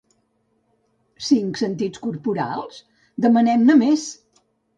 Cinc sentits corporals? Demanem-ne més!